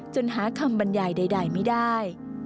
หาคำบรรยายใดไม่ได้